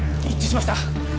一致しました！